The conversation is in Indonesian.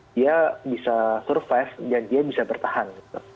dia bisa survive dan dia bisa bertahan